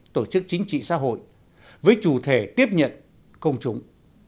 tổ chức chính trị xã hội với chủ thể tiếp nhận công chúng